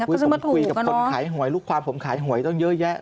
ก็ซึ่งมาถูกกันนะคุยกับคนขายหวยลูกความสมความขายหวยต้องเยอะแยะ